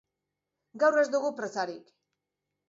Guk ez dugu presarik.